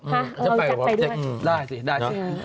เอาอีแจ๊กไปด้วยได้สิ